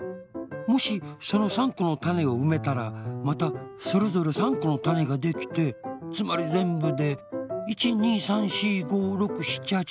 もしその３このたねをうめたらまたそれぞれ３このたねができてつまりぜんぶで１２３４５６７８９